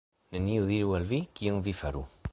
Neniu diru al vi, kion vi faru.